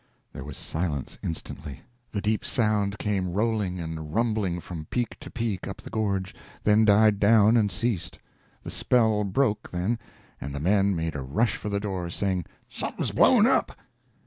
There was silence instantly. The deep sound came rolling and rumbling from peak to peak up the gorge, then died down, and ceased. The spell broke, then, and the men made a rush for the door, saying, "Something's blown up!"